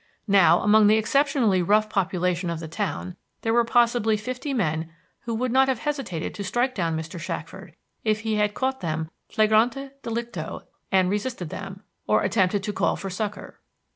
Now, among the exceptionally rough population of the town there were possibly fifty men who would not have hesitated to strike down Mr. Shackford if he had caught them flagrante delicto and resisted them, or attempted to call for succor.